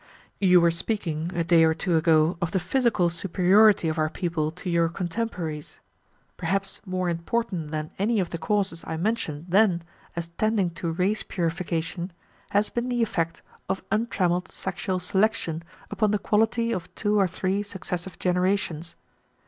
"You were speaking, a day or two ago, of the physical superiority of our people to your contemporaries. Perhaps more important than any of the causes I mentioned then as tending to race purification has been the effect of untrammeled sexual selection upon the quality of two or three successive generations.